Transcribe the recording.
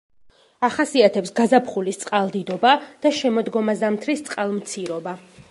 ახასიათებს გაზაფხულის წყალდიდობა და შემოდგომა-ზამთრის წყალმცირობა.